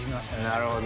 なるほど。